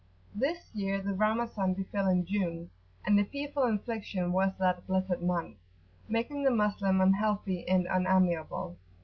THIS year the Ramazan befell in June, and a fearful infliction was that "blessed month," making the Moslem unhealthy and unamiable.